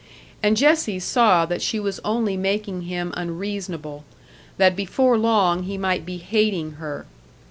And Jessie saw that she was only making him unreasonable that before long he might be hating her.